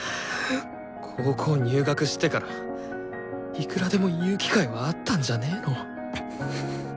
高校入学してからいくらでも言う機会はあったんじゃねの？